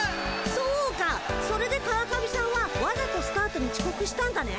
それで川上さんはわざとスタートにちこくしたんだね。